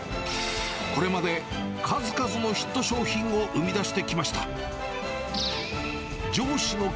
これまで、数々のヒット商品を生み出してきました。